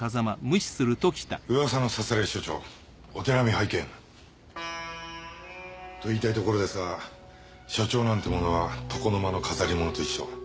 噂のさすらい署長お手並み拝見。と言いたいところですが署長なんてものは床の間の飾り物と一緒。